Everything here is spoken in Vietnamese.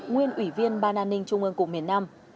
nguyên ủy viên ban an ninh trung ương cục miền nam